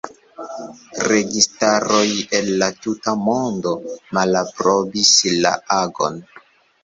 Registaroj el la tuta mondo malaprobis la agon.